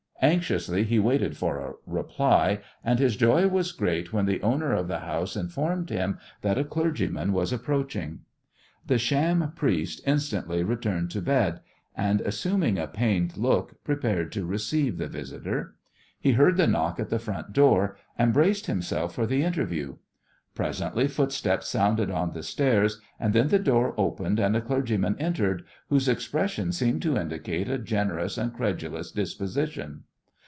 Anxiously he waited for a reply, and his joy was great when the owner of the house informed him that a clergyman was approaching. The sham priest instantly returned to bed, and assuming a pained look prepared to receive the visitor. He heard the knock at the front door, and braced himself for the interview. Presently footsteps sounded on the stairs, and then the door opened and a clergyman entered, whose expression seemed to indicate a generous and credulous disposition.